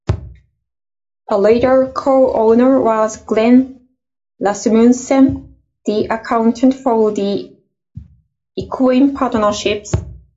A later co-owner was Glenn Rasmussen, the accountant for the equine partnerships.